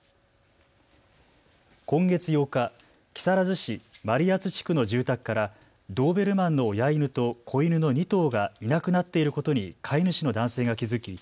今月８日、木更津市真里谷地区の住宅からドーベルマンの親犬と子犬の２頭がいなくなっていることに飼い主の男性が気付き